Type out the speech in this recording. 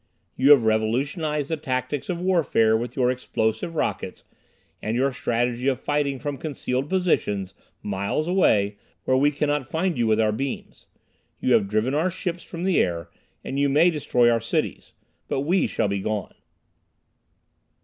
"You have revolutionized the tactics of warfare with your explosive rockets and your strategy of fighting from concealed positions, miles away, where we cannot find you with our beams. You have driven our ships from the air, and you may destroy our cities. But we shall be gone.